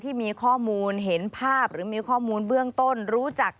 ที่มีข้อมูลเห็นภาพหรือมีข้อมูลเบื้องต้นรู้จัก